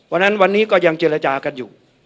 วันนั้นวันนี้ก็ยังเจรจากันอยู่